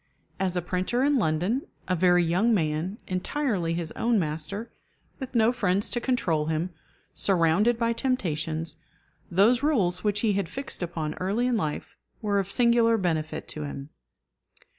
As a printer in London, a very young man, entirely his own master, with no friends to control him, surrounded by temptations, those rules which he had fixed upon early in life were of singular benefit to him.